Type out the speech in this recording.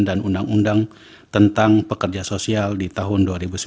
dan undang undang tentang pekerja sosial di tahun dua ribu sembilan belas